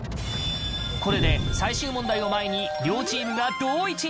これで最終問題を前に両チームが同位置に！